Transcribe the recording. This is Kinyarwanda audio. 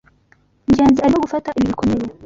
Ngenzi arimo gufata ibi bikomeye.